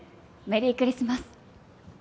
メリークリスマス！